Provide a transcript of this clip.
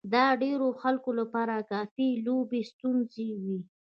دا د ډېرو خلکو لپاره کافي لويې ستونزې وې.